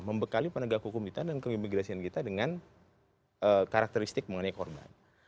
membekali penegak hukum kita dan keimigrasian kita dengan karakteristik yang lebih penting